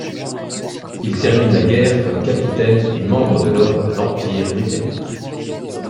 Il termine la guerre comme capitaine et membre de l’ordre de l'Empire britannique.